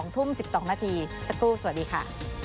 ทุ่ม๑๒นาทีสักครู่สวัสดีค่ะ